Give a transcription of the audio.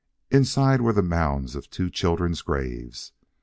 Inside were the mounds of two children's graves.